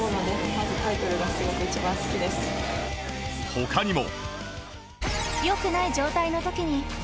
他にも